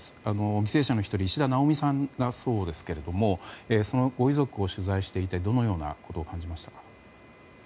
犠牲者の１人、石田奈央美さんがそうですけれどもそのご遺族を取材していてどのようなことを感じましたか。